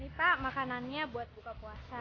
ini pak makanannya buat buka puasa